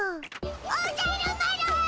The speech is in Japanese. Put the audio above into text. おじゃる丸！